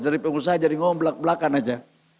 dari pengusaha jadi ngomong belak belakan aja